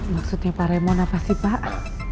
maksudnya pak remon apa sih pak